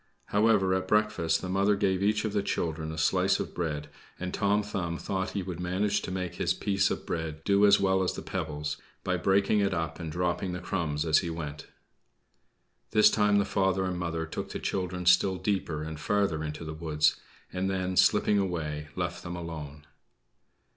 However, at breakfast the mother gave each of the children a slice of bread, and Tom Thumb thought he would manage to make his piece of bread do as well as the pebbles, by breaking it up and dropping the crumbs as he went. This time the father and mother took the children still deeper and farther into the wood, and then, slipping away, left them alone.